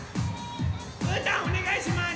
うーたんおねがいします！